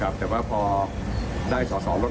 พอมันขับภาคก็อาจจะไม่ทันสมัย